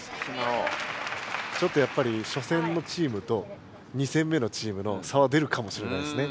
ちょっとやっぱり初戦のチームと２戦目のチームの差は出るかもしれないですね。